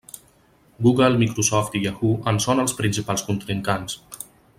Google, Microsoft i Yahoo en són els principals contrincants.